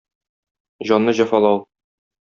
җанны җәфалау